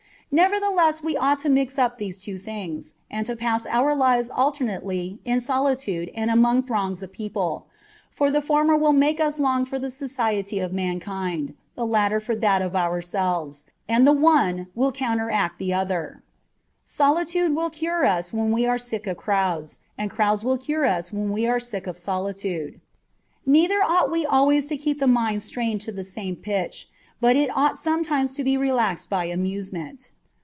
Nevertheless we ought to mix up these two things, and to pass our lives alternately in solitude and among throngs of people ; for the former will make us long for the society of mankind, the latter for that of ourselves, and the one will counteract the other : solitude will cure us when we are sick of crowds, and crowds will cure us when we are sick of solitude. Neither ought we always to keep the mind strained to the CH. XVII.] OF PEACE OF MIND. 285 same pitch, but it ought sometimes to be relaxed by amuse ment.